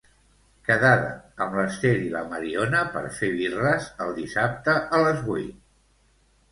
Quedada amb l'Esther i la Mariona per fer birres el dissabte a les vuit.